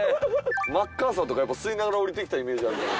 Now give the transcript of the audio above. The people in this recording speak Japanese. マッカーサーとかやっぱ吸いながら降りてきたイメージあるから。